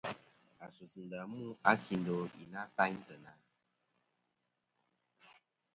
A sus ndà mu a kindo i na sayn teyna?